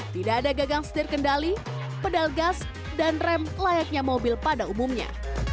tidak ada gagang setir kendali pedal gas dan rem layaknya mobil pada umumnya